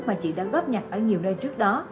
mà chị đã góp nhặt ở nhiều nơi trước đó